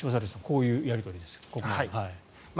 こういうやり取りですね。